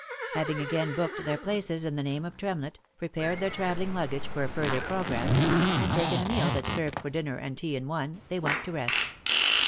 Having again booked their places in the name of Tremlett, pre pared their travelling luggage for a further progress, and taken a meal that served for dinner and tea in one, they went to rest.